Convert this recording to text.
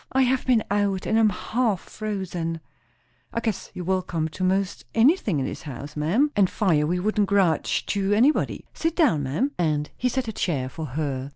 I have been out, and I am half frozen." "I guess you're welcome to most anything in this house, ma'am, and fire we wouldn't grudge to anybody. Sit down, ma'am;" and he set a chair for her.